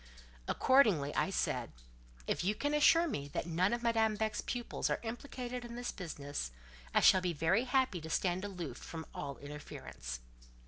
Accordingly, I said,—"If you can assure me that none of Madame Beck's pupils are implicated in this business, I shall be very happy to stand aloof from all interference.